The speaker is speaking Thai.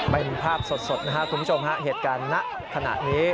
เป็นภาพสดนะคะคุณผู้ชมฮะเหตุการณ์นั้นขณะนี้